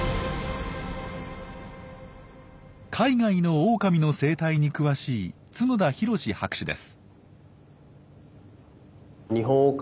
海外のオオカミの生態に詳しい角田裕志博士です。